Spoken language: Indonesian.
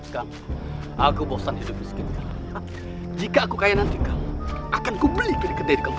kamu aku bosan hidup sekitar jika aku kaya nanti kau akan kubeli kedelik